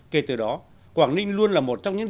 kể từ đó quảng ninh luôn là một trong những